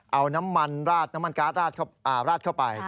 เอาน้ำมันราดน้ำมันการ์ดราดเข้าไป